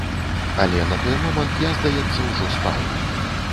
Але на той момант я, здаецца, ужо спаў.